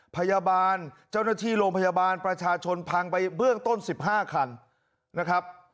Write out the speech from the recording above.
พยาบาลเจ้าหน้าที่โรงพยาบาลประชาชนพังไปเบื้องต้น๑๕คันนะครับ